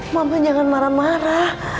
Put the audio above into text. mama jangan marah marah